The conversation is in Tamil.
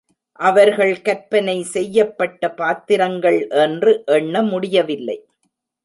அவர்கள் கற்பனை செய்யப்பட்ட பாத்திரங்கள் என்று எண்ண முடியவில்லை.